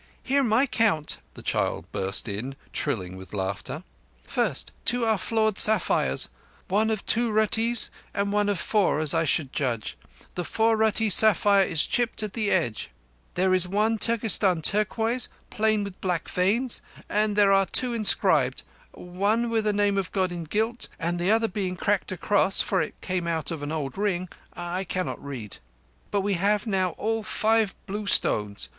"Hear my count!" the child burst in, trilling with laughter. "First, are two flawed sapphires—one of two ruttees and one of four as I should judge. The four ruttee sapphire is chipped at the edge. There is one Turkestan turquoise, plain with black veins, and there are two inscribed—one with a Name of God in gilt, and the other being cracked across, for it came out of an old ring, I cannot read. We have now all five blue stones.